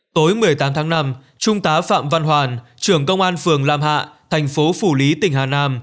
tối một mươi tám tháng năm trung tá phạm văn hoàn trưởng công an phường lam hạ thành phố phủ lý tỉnh hà nam